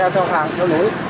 theo hàng theo lối